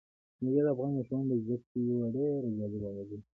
مېوې د افغان ماشومانو د زده کړې یوه ډېره جالبه موضوع ده.